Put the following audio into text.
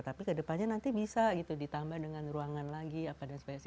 tapi kedepannya nanti bisa gitu ditambah dengan ruangan lagi apa dan sebagainya